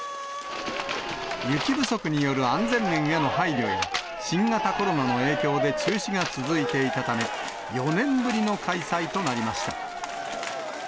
雪不足による安全面への配慮や、新型コロナの影響で中止が続いていたため、４年ぶりの開催となりました。